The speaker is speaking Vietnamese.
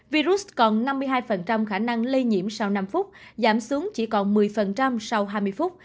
virus còn năm mươi hai khả năng lây nhiễm sau năm phút giảm xuống chỉ còn một mươi sau hai mươi phút